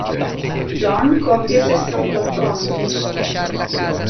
John compie sessantotto anni.